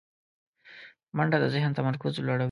منډه د ذهن تمرکز لوړوي